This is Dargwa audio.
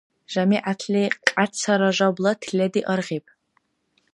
ЖамигӀятли Кьяца Ражабла тилади аргъиб.